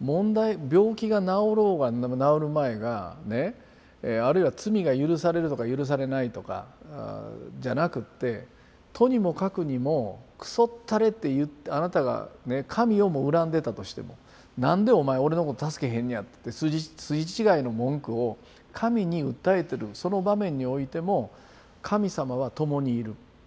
病気が治ろうが治るまいがあるいは罪がゆるされるとかゆるされないとかじゃなくってとにもかくにもくそったれってあなたが神をも恨んでたとしても「なんでお前俺のこと助けへんねや」って筋違いの文句を神に訴えてるその場面においても神様は共にいる。